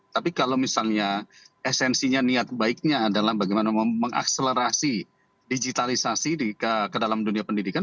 tapi kalau misalnya esensinya niat baiknya adalah bagaimana mengakselerasi digitalisasi ke dalam dunia pendidikan